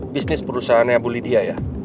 bisnis perusahaan bu lydia ya